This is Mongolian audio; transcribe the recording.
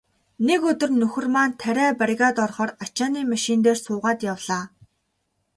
Нэг өдөр нөхөр маань тариа бригад орохоор ачааны машин дээр суугаад явлаа.